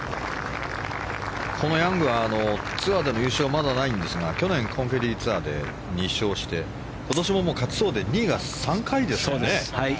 ヤングはツアーでの優勝はまだないんですが去年、コンフィディーツアーで２勝して今年も勝ちそうで２位が３回ですね。